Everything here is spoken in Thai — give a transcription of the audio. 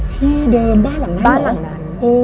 ที่เดิมบ้านหลังนั้นบ้านหลังนั้น